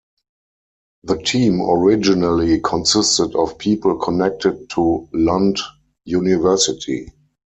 The team originally consisted of people connected to Lund University.